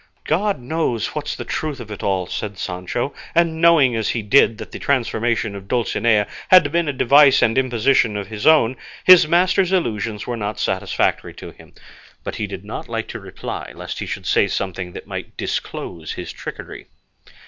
"God knows what's the truth of it all," said Sancho; and knowing as he did that the transformation of Dulcinea had been a device and imposition of his own, his master's illusions were not satisfactory to him; but he did not like to reply lest he should say something that might disclose his trickery.